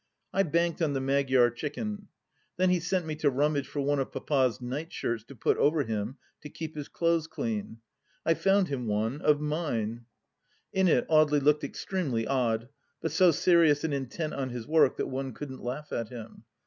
I banked on the Magyar Chicken. Then he sent me to rummage for one of Papa's nightshirts to put over him to keep his clothes clean. I found him one — of mine ! In it Audely looked extremely odd, but so serious and intent on his work that one couldn't laugh at him.